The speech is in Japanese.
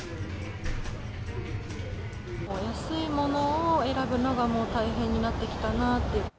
安いものを選ぶのがもう大変になってきたなという。